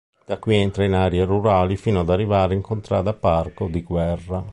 Da qui entra in aree rurali fino ad arrivare in Contrada Parco di Guerra.